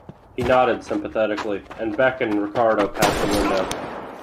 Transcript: He nodded sympathetically, and beckoned Ricardo past the window.